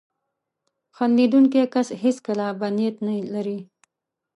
• خندېدونکی کس هیڅکله بد نیت نه لري.